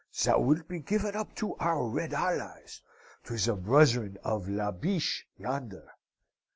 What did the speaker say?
Thou wilt be given up to our red allies to the brethren of La Biche yonder.